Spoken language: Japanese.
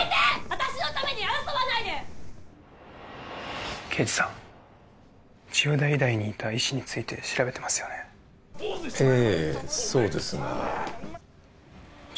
私のために争わないで刑事さん千代田医大にいた医師について調べてますよねええ